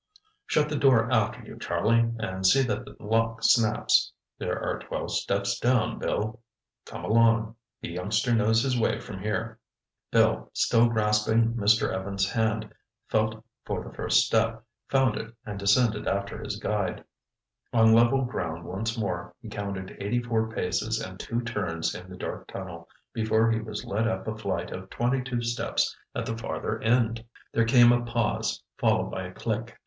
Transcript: "Shut the door after you, Charlie, and see that the lock snaps. There are twelve steps down, Bill. Come along—the youngster knows his way from here." Bill, still grasping Mr. Evans' hand, felt for the first step, found it and descended after his guide. On level ground once more, he counted eighty four paces and two turns in the dark tunnel before he was led up a flight of twenty two steps at the farther end. There came a pause, followed by a click.